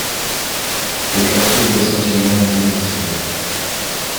Le quartier est essentiellement résidentiel.